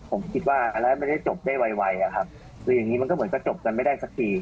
ผมคิดว่าแล้วไม่ได้จบได้ไวหรืออย่างนี้มันก็เหมือนก็จบกันไม่ได้สักที